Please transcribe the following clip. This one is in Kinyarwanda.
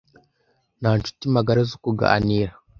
Nta nshuti magara zo kuganira.